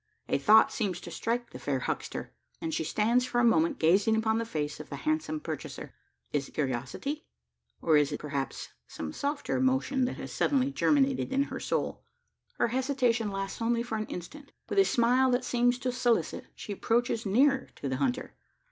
A thought seems to strike the fair huckster; and she stands for a moment gazing upon the face of the handsome purchaser. Is it curiosity? Or is it, perhaps, some softer emotion that has suddenly germinated in her soul? Her hesitation lasts only for an instant. With a smile that seems to solicit, she approaches nearer to the hunter.